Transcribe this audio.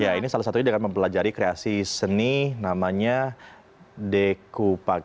ya ini salah satunya dengan mempelajari kreasi seni namanya deku paku